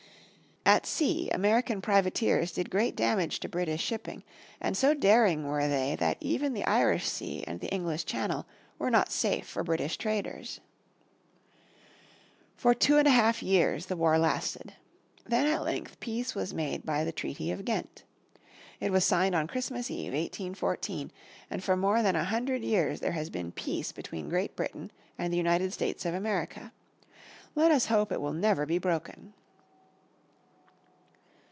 At sea American privateers did great damage to British shipping, and so daring were they that even the Irish Sea and the English Channel were not safe for British traders. For two and a half years the war lasted. Then at length peace was made by the Treaty of Ghent. It was signed on Christmas Eve, 1814, and for more than a hundred years there has been peace between Great Britain and the United States of America. Let us hope it will never be broken.